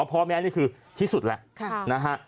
เพราะแม่นี่คือที่สุดละนะฮะ